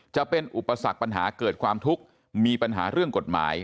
จะเป็นอุปสรรคปัญหาเกิดความทุกข์มีปัญหาเรื่องกฎหมาย